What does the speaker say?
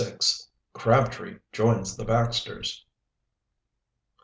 CRABTREE JOINS THE BAXTERS.